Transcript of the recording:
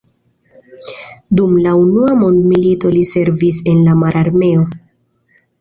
Dum la Unua mondmilito li servis en la mararmeo.